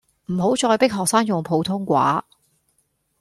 唔好再迫學生用普通話